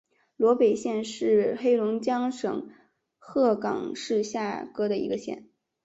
萝北县是黑龙江省鹤岗市下辖的一个县。